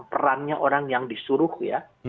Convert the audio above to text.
perannya orang yang disuruh ya